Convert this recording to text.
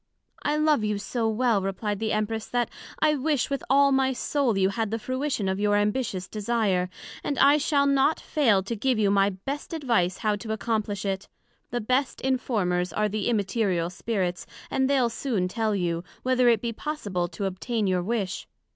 I love you so well, replied the Empress, that I wish with all my soul, you had the fruition of your ambitious desire, and I shall not fail to give you my best advice how to accomplish it; the best informers are the Immaterial Spirits, and they'l soon tell you, Whether it be possible to obtain your wish.